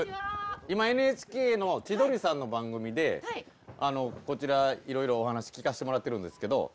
今ＮＨＫの千鳥さんの番組でこちらいろいろお話聞かせてもらってるんですけど。